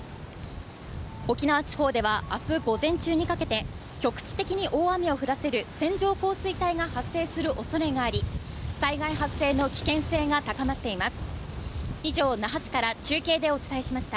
沖縄地方では明日午前中にかけて、局地的に大雨を降らせる線状降水帯が発生するおそれがあり、災害発生の危険性が高まっています。